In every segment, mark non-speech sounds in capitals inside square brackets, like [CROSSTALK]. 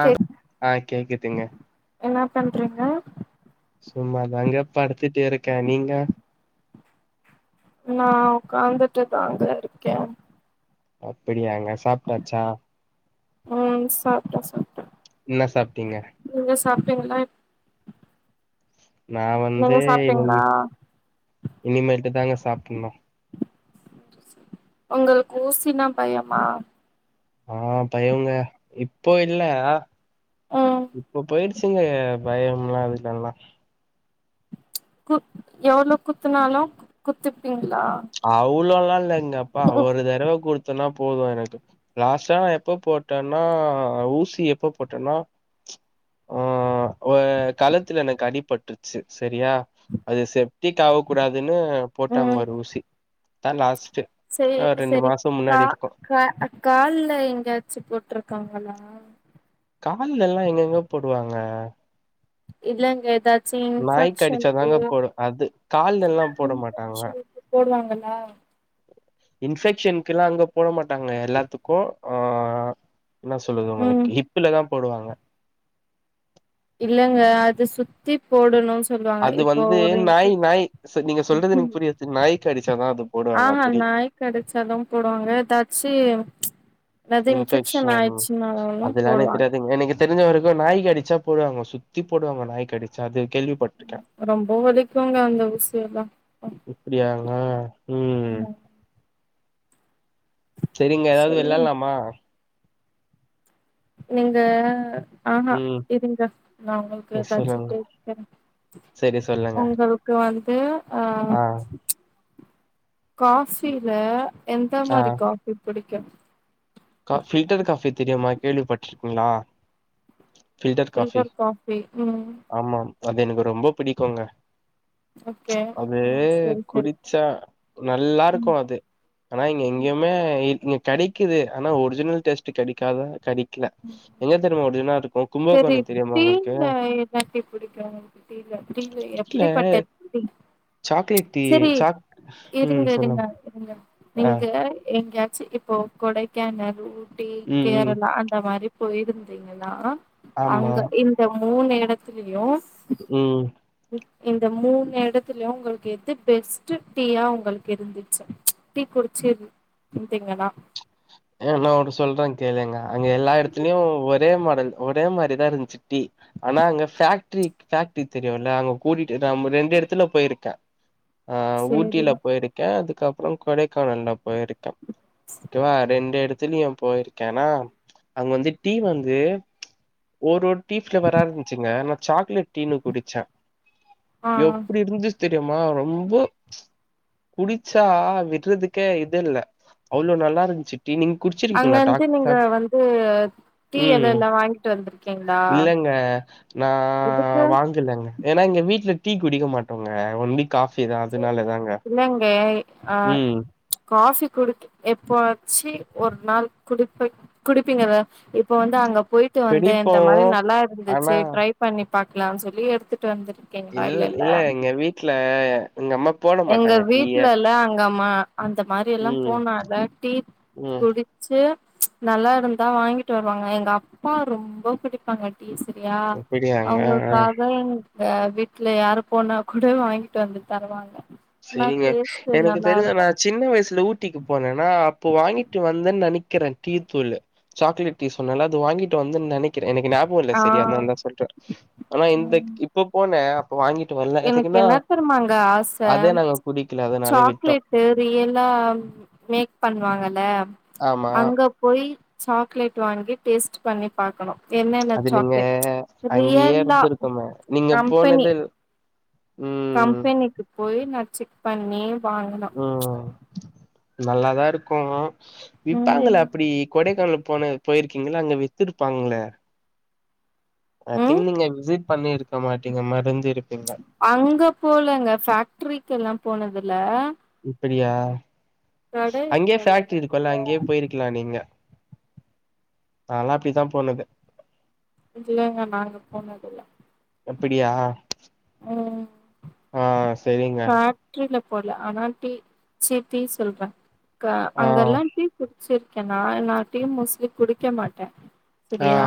ஆ ஆ கேக்குதுங்க என்னா பண்றீங்க சும்மா தாங்க படுத்துட்டு இருக்கே நீங்க நா உக்காந்துட்டுதாங்க இருக்கே அப்பிடியாங்க சாப்ட்டாச்சா ம் சாப்ட்டே சாப்ட்டே என்ன சாப்ட்டீங்க நீங்க சாப்டீங்களா என் நா வந்து நீங்க இனிம் சாப்ட்டீங்களா இனிமேட்டு தாங்க சாப்புட்னு ஒங்களுக்கு ஊசினா பயமா ஆ பயோங்க இப்போ இல்ல ம் இப்போ போயிடுச்சுங்க அ பயம்ல்லா அதுக்கெல்லா குத் எவ்வளோ குத்துனாலு குத்துப்பீங்களா அவ்ளோல்லா இல்லைங்கப்பா ஒரு தடவ குத்துனா போது எனக்கு லாஸ்டா எப்ப போட்டேன்னா ஊசி எப்ப போட்டேனா ஆ ஒ கழத்துல எனக்கு அடிபட்டு செ செரியா அது செஃப்டிக்கு ஆகக்கூடாதுன்னு போட்டாங்க ஒரு ஊசி அதா லாஸ்ட்டு சரி அ ரெண்டு சரி மாசோ கா முன்னாடி இருக்கு கா கால்ல எங்கயாச்சு போட்டுருக்காங்களா கால்லல்லா எங்கேங்க போடுவாங்க இல்லங்க எதா ச்சி நாய் இன்பெக்ஷன்க்கு கடிச்சாதாங்க போடு அது கால்லெல்லா போட மாட்டாங்க இன்பெஷன்க்கு போடுவாங்களா இன்ஃபெக்ஷனுக்குல்லா அங்க போட மாட்டாங்க எல்லாத்துக்கு ஆ என்ன சொல்லுது ம் உங்களுக்கு ஹிப்புல தா போடுவாங்க இல்லங்க அது சுத் த்தி போடணு சொல்லுவாங்க அது இப்போ வந்து ஒரு ம் ம் இது நாய் கடிச்சா தா அது ஆ போடுவாங்க ஆ அப்டி நாய் கடிச்சாலும் போடுவாங்க எதாச்சு என்னாது இன்ஃபெக்ஷன் ஆயிச்சுன்னாலும் அதெல்லா எனக்கு போடுவாங்க தெரியாதுங்க எனக்கு தெரிஞ்ச வரைக்கும் நாய் கடிச்சா போடுவாங்க சுத்தி போடுவாங்க நாய் கடிச்சா அது கேள்விப்பட் ரொம்ப வலிக்குங்க அந்த ஊசியெல்லா இப்டியாங்க ம் செரிங்க எதாவ்து சொல்லுங்க வெளாட்லாமா நீங்க ஆ ஆ ம் இருங்க நா உங்கள்க்கு எதாச்சு சொல்லுங்க கேக்குற சரி சொல்லுங்க உங்கள் இப்ப வந்து ஆ காஃபில எந்த மாரி காஃபி பிடிக்கும் காஃப் ஃபில்டர் காஃபி தெரியமா கேள்விப்பட்ருக்கீங்ளா ஃபில்டர் காஃபி காஃபி ம் ஆமா அது எனக்கு ரொம்ப பிடிக்கங்க ஓகே அது ம் சரி சரி குடிச்சா ம் நல்லாருக்கு அது ஆனா இங்க எங்கயுமே இங்க கெடைக்குது ஆனா ஒரிஜினல் டேஸ்ட்டு கெடைக்காதா கெடை க்ல எங்க தெரியும்மா ஒருஜின்லா இருக்கும் சரி டீல்ல என்னா டீ பிடிக்கும் [UNINTELLIGIBLE] இல்ல எப்படிப்பட்ட புடிக் சாக்லேட் டீ சாக் ம் இருங்க இருங்க சொல்லுங் நீங்க எங்கயாவ் எங்கயாச்சு இப்போ கொடைக்கானல் ஊட்டி ம் ம் கேரளா அந்த மாரி போயிருந்தீங்கன்னா ஆமா அங்க இந் ந்த மூணு எடத்துலியும் ம் ம் இந்த மூணு எடத்துல்யும் உங்களுக்கு எது பெஸ்ட்டு டீயா உங்களுக்கு இருந்துச்சு டீ குடிச்சிரு இருந்திங்கன்னா ஏ நா ஒன்னு சொல்ற கேளுங்க அங்க எல்லா எடத்துலயும் ஒரே மாடல் ஒரே மாரிதா இருந் ச்சி டீ ஆனா அங்க ஃபேக்ட்ரி ஃபேக்ட்ரி தெரியோல அங்க கூட்டிட்டு நம் ரெண்டு எடத்துல போயிருக்க ஆ சரி ஊட்டில போயிருக்க அதுக்கப்றம் கொடைக்கானல்ல போயிருக்க ஓகேவா ரெண்டு எடத்துல்யும் போயிருக்க ஆனா அங்க வந்து டீ வந்து ஒரு டீ ஃபிளேவரா இருந்துச்சுங்க நா சாக்லேட் டீன்னு குடிச்ச ஆ எப்டி இருந்துச் தெரியுமா ரொம்போ குடிச்சா விட்றதுக்கே இது இல்ல அவ்ளோ நல்லா இருந்துச்சு டீ நீங் அங்க குடிச்சிருக்கீங்ளா வந்து டாக் நீங்க டாக் வந்து டீ ம் எலைலா வாங்கிட்டு வந்திருக்கீங்களா இல்லங்க நா எதுக்கு வாங்கிலங்க ஏன்னா எங்க வீட்ல டீ குடிக்க மாட்டோங்க ஒன்லி காஃபி தா அதனால தாங்க இல்லங்க ஆ ம் காஃபி குடிக் எப்பவாச்சு ஒரு நாள் குடிப்ப குடிப்பீங்கள இப்ப வந்து அங்க போயிட்டு வந்தே குடிப்போ இந்த மாரி நல்லா ஆனா இருந்துச்சு ட்ரை பண்ணி பாக்கலாம் சொல்லி எடுத்துட்டு வந்துரு இல் இல்ல எங்க வீட்ல எங்க அம்மாக் எங்க வீட்லல்லா அங்கம்மா அந்த மாரி எல்லாம் ம் போனால டீ ம் குடி ச்சே நல்லா இருந்தா வாங்கிட்டு வருவாங்க எங்க அப்பா ரொம்ப குடிப்பாங்க சரியா அப்படியாங்க ஆ அவுங்குள்க்காக எங் தே வீட்ல யாரு போனா கூட வாங்கிட்டு வந்து தருவாங்க ஆனா செரிங்க டேஸ்ட் எனக்கு நல்லா தெரிஞ்ச நா இருக்கு சின்ன வயசுல ஊட்டிக்கு போனேனா அப்போ வாங்கிட்டு வந்தன் நெனைக்கிறே டீ தூள் சாக்லேட் டீ சொன்னல அது வாங்கிட்டு வந்தன் நெனைக்கிறே எனக்கு ஞா போ இல்ல ஆ செரி அத்னால்தா சொல்ற ஆனா இந்த இப்ப போனே அப்ப வாங்கிட்டு வர் எனக்கு என்ன தெரிய்மாங்க ஆச அதே நாங்க குடிக்ல அதனாலே விட்டோ யேவ் ரியலா மேக் பண்ணுவாங்கல ஆமா அங்க போய் சாக்லேட் வாங்கி டேஸ்ட் பண்ணி பாக்கணு என்னென்ன அது நீங்க சாக்லேட் அங்கியே ரியல்லா இர்ந்துருக்கனு நீங்க கம்பெனி போனது ம் கம்பெனிக்கு போய் நா செக் பண்ணி வாங்கினோ ம் நல்லாதா இருக்கு விட்டாங்கள ம் அப்டி கொடைக்கானல் போன போயிர்க்கீங்களா அங்க வித்துருப்பாங்ளே ஐ திங் ம் நீங்க விசிட் பண்ணிருக்க மாட்டீங்க மறந்து இருப்பீங்க அங்க போலங்க ஃபேக்ரிக்கெல்லா போனதுல இப்படியா கட அங்கியே இருக்குல்ல ஃபேக்ட்ரி இருக்குல நெறைய அங்கியே போயிர்க் கிலா நீங்க நால்லா அப்டித்தா போனது இல்லேங்க நாங்க போனதுல அப்பிடியா ஆ செரிங்க ஃபேக்டரில போல ஆனா டி சேர் டி சொல்ற க ஆ அங்கல்லா டீ குட் சிர்கே நா நா டியும் மோஸ்லி குடிக்க மாட்டே ஆ செரியா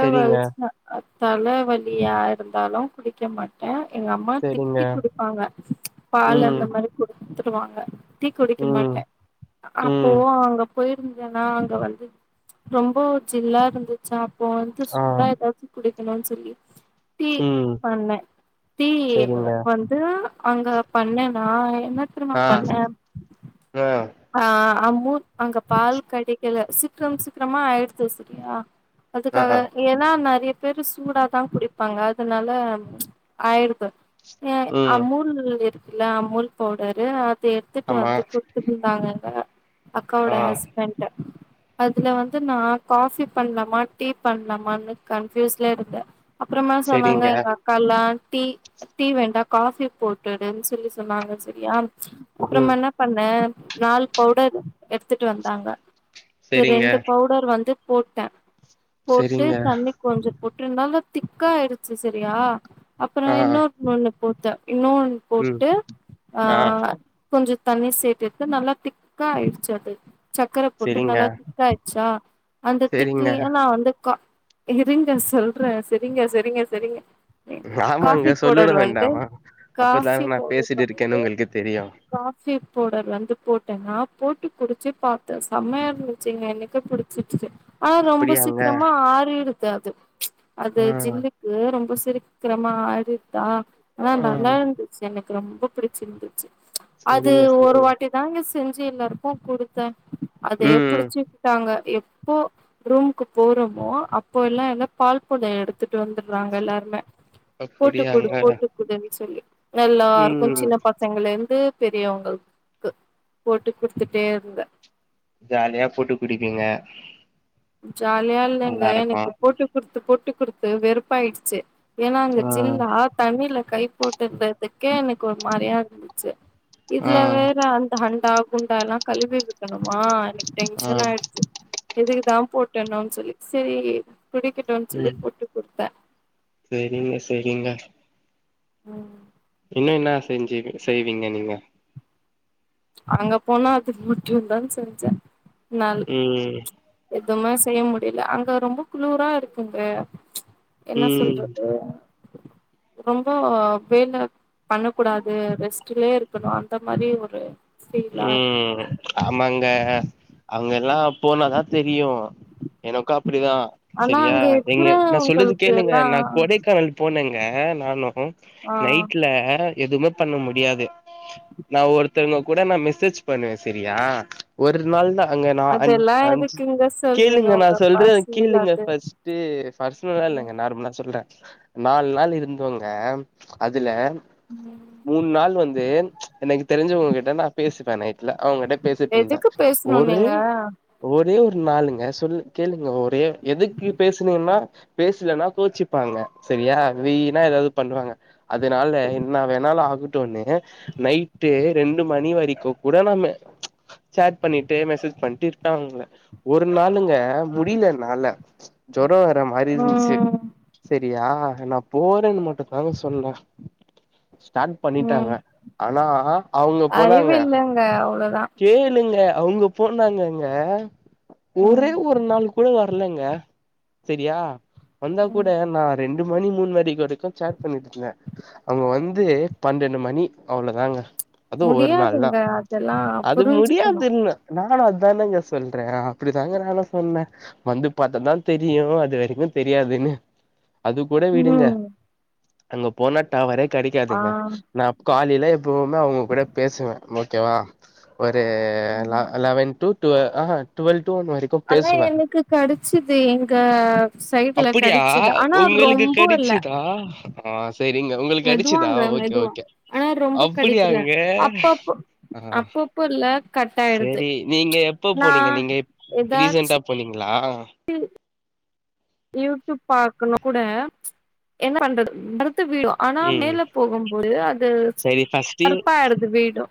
செரிங்க தலைவலியா இருந்தாலு குடிக்க மாட் ஏ எங்க அம்மா செரிங்க திட்டி குடுப்பாங்க பால் ம் அந்த மாரி குட்த்துருவாங்க டி குடிக்க ம் மாட்டே அப்போ ம் அங்க போயிருந்தேனா அங்க வந்து ரொம்ப ஜில்லா இருந்துச்சா அப்போ வந்து ஆ சூடா ஏதாச்சு குடுக்குணுன் சொல்லி டீ ம் பண்ணே டீ செரிங்க வந் அது அங்க பண்ணே நா என்ன தெரிமா ஆ பண்ண ஆ ஆ அம்மு அங்க பால் கிடைக்கல சீக்கிரம் சீக்கிரமா ஆயிடுச்சு சரியா ஆ அதுக்காக ஏன்னா நறிய பேரு சூடாதா குடிப்பாங்க அதனால ஆய்டுது ம் அமுல் இருக்குல அமுல் பவுடரு அத எட்த்துட்டு ஆமா வந்து குடுத்துட்டுயிர்ந்தாங்க அக்காவோட ஆ ஹஸ்பெண்டு அதுல வந்து நா காஃபி பண்லாமா டீ பண்லாமானு கன்ஃபியூஸ்லே இருந்தே அப்புறமா சொன்னாங்க செரிங்க எங்க அக்கால்லா டீ டீ வேண்டா காஃபி போட்டுடுன் சொல்லி சொன்னாங்க செரியா அப்புறமா ம் என்ன பண்ண நாலு பவுடர் எடுத்துட்டு வந்தாங்க செரிங்க ரெண்டு பவுட் டர் வந்து போட்டே போட்டு செரிங்க தண்ணிக் கொஞ்ச போட்ருந்தாலு திக்கா ஆயிடுச்சு சரியா அப்பற ஆ இன்னொர் ஒண்ணு போட்தே இன்னோன் ம் போட்டு ஆ கொஞ்ச தண்ணி சேட்டுத்து நல்லா திக்கா ஆயிட்ச்சு அது சக்கர போட்டு செரிங்க நல்லா திக்காயிடுச்சா அந்த செரிங்க திக்லியே நா வந்து கா இருங்க சொல்ற சரிங்க சரிங்க சரிங்க ஆமாங்க காஃபி சொல்லொணு பவுடர் வந்து வேண்டாமா காஃபி அப்பதானே நா பவுடர் பேசிட்டு இருக்கேனு வந்து உங்களுகு தெரியு காஃபி பவுடர் வந்து போட்டேன்னா போட்டு குடிச்சு பாத்தே செமையா இருந்துச்சுங்க எனக்கு புடிச் சிட்டுது ஆ ரொம்ப அப்படியாங்க சீக்கிரமா ஆறிடுது அது அது ஆ ஜில்லுக்கு ரொம்ப சீக் க்கிரமா ஆரிருதா ஆனா ஆ நல்லா இருந்துச்சு எனக்கு ரொம்ப பிடிச்சிருந்துச்சு அது செரிங்க ஒரு செரிங்க வாட்டி தாங்க செஞ்சு எல்லாருக்கு குடுத்த அதே ம் புடிச்சு ட்டாங்க எப்போ ரூமுக்கு போறோமோ அப்போ எல்லா என்ன பால் [UNINTELLIGIBLE] எடுத்துட்டு வந்துடுறாங்க எல்லாருமே போட்டுக்குடு அப்படியாங்க போட்டுக்குடுன்னு சொல்லி எல்லாருக்கும் ம் சின்ன பசங்க லேந்து பெரியவங்களுக்கு போட்டு குடுத்துட்டே இருந்த ஜாலியா போட்டு குடிப்பீங்க ஜாலியா இல்லைங்க நல்லா இருக்கு எனக்கு போட்டு குடுத்து போட்டு குடுத்து வெறுப்பாயிடுச்சு ஏன்னா அங்க ஆ ஜில்லா தண்ணில கை போட்டு இருந்ததுக்கே எனக்கு ஒரு மாரியா இருந்துச்சு ஆ இதுல வேற அந்த அண்டா குண்டா எல்லா கழுவி வைக்கணுமா எனக்கு ஆ டென்ஷன் ஆயிடுச்சு எதுக்கு தா போட்டனொன்னு சொல்லி செரி குடிக்கட்டுன் சொல்லி ம் போட்டு குடுத்த செரிங்க செரிங்க ஆ இன்னு என்ன செஞ்சு செய்வீங்க நீங்க அங்க போனா அது மட்டு தான் செஞ்ச நாள் ம் எதுவுமே செய்ய முடியல அங்க ரொம்ப குழுற இருக்குங்க என்ன ம் சொல்றது ரொம்ப வேல பண்ண கூடாது ரெஸ்ட்லயே இருக்கணு அந்த மாரி ஒரு ஃபீலா இருக்கு ம் ஆமாங்க அவங்க எல்லா போனாதா தெரியு எனக்கு அப்டிதா ஆனா சரியா அங்க எங்க நா சொல்லறது இருக்கிறவங்களுக்கு கேளுங்க எல்லா நா கொடை கானல் போனேங்க நானு ஆ நைட்ல எதுவுமே பண்ண முடியாது நா ஒருத்தங்க கூட நா மெசேஜ் பண்ணுவே செரியா ஒரு நாள் தா அங்க நா அஞ்ச் அதெல்லா அஞ்ச் எதுக்குங்க சொல்றீங்க கேளுங்க நா உங்க சொல்றத பர்சனல் கேளுங்க அது ஃபஸ்டு பர்சனலா இல்லங்க நார்மலா சொல்ற நால் நாள் இருந்தோங்க அதுல ம் மூண் நாள் வந்து எனக்கு தெரிஞ்சவங்க கிட்ட நா பேசுவே நைட்ல அவங்கிட்ட பேசிட்டு இருந்த எதுக்கு பேசணு ஒரு நீங்க ஒரே ஒரு நாளுங்க சொல்லு கேளுங்க ஒரே எதுக்கு பேசுனேன்னா பேசலன்னா கோச்சிப்பாங்க சரியா வீனா ஏதாவது பண்ணுவாங்க அதனால இன்னா வேணாலு ஆகட்டும்ன்னு நைட்டு ரெண் டு மணி வரைக்கு கூட நா சேட் பண்ணட்டு மெசேஜ் பண்ணிட்டு இருக்காங்க ஒரு நாளுங்க முடியல என்னால ஜோர வற மாரி இருந்துச்சு ம் சரியா நா போறேன்னு மட்டு தாங்க சொன்ன ஸ்டார்ட் ம் பண்ணிட்டாங்க ஆனா அவங் போனாங்க அறிவு இல்லங்க அவ்ளோதா கேளுங்க அவங்க போனாங்கங்க ம் ஒரே ஒரு நாள் கூட வரலங்க சரியா வந்தா கூட ம் நான் ரெண் டு மணி மூன் மணி வரைக்கு சார்ட் பண்ணிட்ருந்தே அவங்க வந்து பன்னெண்டு மணி அவ்வளதாங்க அது ஒரு நாள் தா முடியாதுங்க அதெல்லா அது புரிஞ்சுக்கணு முடியாதுன்னு நானு அதானேங்க சொல்ற அப்டிதாங்க நானு சொன்ன வந்து பாத்த தா தெரியு அது வரைக்கு தெரியாதுன்னு அது கூட விடுங்க ம் அங்க போனா டவரே ஆ கெடைக்காதுங்க நா காலேல எப்போமே அவங்க கூட பேசுவே ஓகேவா ஒரு ம் லெவ லெவன் டூ டூவ ஆஹ டொல்த் ஒன் வரைக் ஆனா எனக்கு கடிச்சது எங்க சைடு்ல கடிச்சதா ஆனா ரொம்ப இல்ல தா ஆ செரிங்க உங்களுக்கு அடிச்சுதா மெதுவாங்க ஓகே மெதுவா ஓகே ஆனா ரொம்ப கடிக்கல அப்டியாங் அப்பப்போ ஆ அப்பப்போ இல்ல கட் ஆயிடுது சேரி நீங்க எப்ப நா போனீங்க நீங்க இப் ரீசண்டா போனீங்ளா வ் யூடியூப் பார்க்கனு கூட என்ன பண்றது மறத்து பேயிடு ஆனா ம் மேல போகும்போது அதுஸ் கருப்பா ஆடுத்த பேயிடு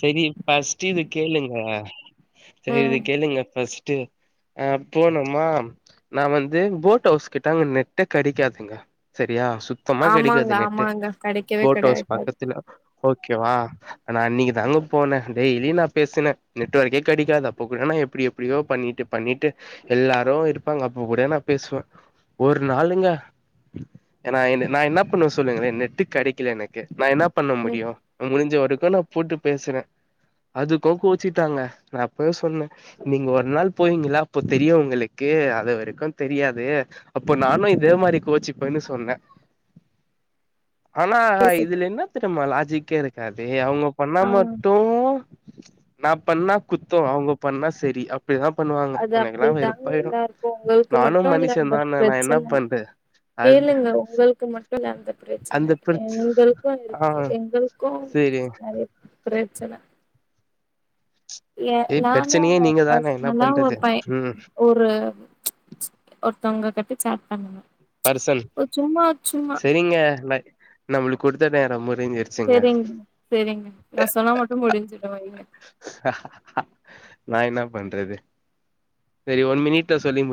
சேரி ஃபஸ்ட்டு இது கேளுங்க சரி இது ம் கேளுங்க ஃப்ஸ்ட்டு ஆ போனம்மா நா வந்து போட் ஹவுஸ் கிட்ட நெட்டு கெடைக்காதுங்க செரியா சுத்தமா ஆமாங்க கெடைக்காது நெட்டு ஆமாங்க கெடைக்கவே போட்டோஸ் பக் கெடைக்காது தில்ல ஓகேவா ஆனா அன்னைக்கி தாங்க போனே டெய்லி நா பேசினே நெட்வர்க்கே கெடைக்காது அப்ப கூட நா எப்டியோ எப்டியோ பண்ணிட்டு பண்ணிட்டு எல்லாரு இருப்பாங்க அப்ப கூட நா பேசுவ ஒரு நாளுங்க ஏனா நா என்ன பண்ணுவ சொல்லுங்களே நெட்டு கெடைக்கல எனக்கு நா என்ன பண்ண ம் முடியு முடிஞ்ச வரைக்கு நா போட்டு பேசுறே அதுக்கு கோச்சிட்டாங்க நா அப்பயே சொன்ன நீங்க ஒரு நாள் போவீங்ளா அப்போ தெரியு உங்களுக்கு அது வரைக்கு தெரியாது அப்போ நானு இதே மாதிரி கோச்சிப்பேன்னு சொன்ன ஆனா பேசு இதுல என்ன தெரியும்மா லாஜிக்கே இருக்காது அவங்க பண்ணா ஆ மட்டு நா பண்ணா குத்தோ அவங்க பண்ணா செரி அப் இப்டித்தா பண்ணுவாங்க அது எனக்கெல்லா அப்டிதாங்க வெறுப்பாயிடு எல்லாருக்கு உங்களுக்கு நானு மட்டு இல்ல மனுஷ அந்த தா நா என்ன பிரச்சன பண்து கேளுங்க உங்களுக்கு மட் அந்த அந்த பிரச்சன பிரச் எங்களுக்கு ஆ இருக்கு எங்களுக்கு சேரி நறைய பிரச்சன எ ஏ நானு பிரச்சனையே நீங்க தான என்ன பர்ஸ்னல்லா ஒரு பண்றது பைய ம் ஒரு ஒருத்தவங்க கட்டு சேட் பண்ணுன பர்சன் சும்மா சும்மா செரிங்க எனக் நம்மளுக்கு குடுத்த ரொம்ப முடிஞ்சி செரிங் செரிங்க நா சொன்னா மட்டு முடிஞ்சிரு வைங்க ஹ ஹ ஹ நா என்ன பண்றது செரி ஒன் மினிட்ல சொல்லி